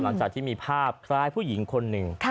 หลังจากที่มีภาพคล้ายผู้หญิงคนหนึ่ง